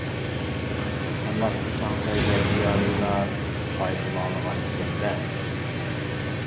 شۇڭلاشقا، شاڭخەيدە زىيالىيلار باي بولالىغان ئىكەندە.